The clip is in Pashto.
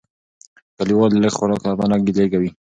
کلیوال د لږ خوراک له امله ګیلې کوي.